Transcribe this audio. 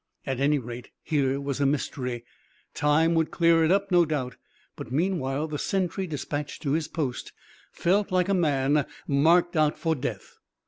At any rate, here was a mystery. Time would clear it up, no doubt; but meanwhile the sentry despatched to his post felt like a man marked out for death.